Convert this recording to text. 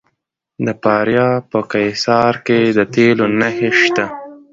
د فاریاب په قیصار کې د تیلو نښې شته.